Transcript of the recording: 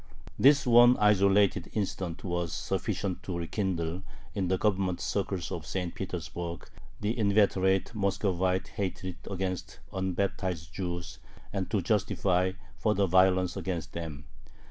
This one isolated incident was sufficient to rekindle in the Government circles of St. Petersburg the inveterate Muscovite hatred against "unbaptized Jews" and to justify further violence against them.